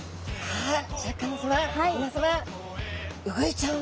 はい。